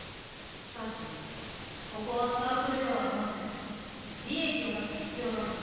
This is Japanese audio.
しかしここはサークルではありません利益を出す必要があります